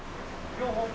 両方？